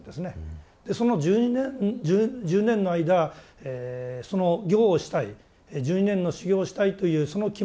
その１０年の間その行をしたり１２年の修行をしたいというその気持ち。